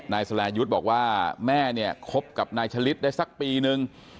นายสรายุทธ์บอกว่าแม่เนี่ยคบกับนายชะลิดได้สักปีนึง